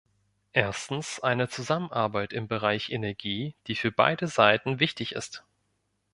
Erstens, eine Zusammenarbeit im Bereich Energie, die für beide Seiten wichtig ist.